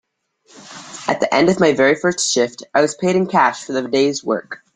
At the end of my very first shift, I was paid in cash for the day’s work.